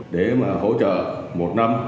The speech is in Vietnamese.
để mà hỗ trợ một năm